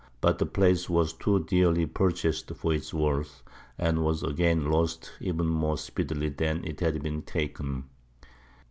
But the place was too dearly purchased for its worth, and was again lost even more speedily than it had been taken.